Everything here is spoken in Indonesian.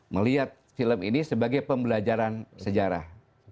melihat film ini sebagai pembelajaran sejarah